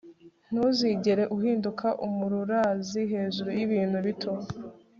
ntuzigere uhinduka umururazi, hejuru yibintu bito